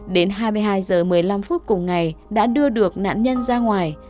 đến hai mươi hai h một mươi năm phút cùng ngày đã đưa được nạn nhân ra ngoài